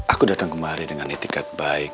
aku datang kemari dengan itikat baik